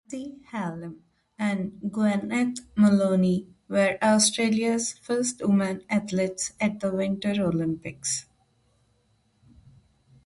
Nancy Hallam and Gweneth Molony were Australia's first women athletes at the Winter Olympics.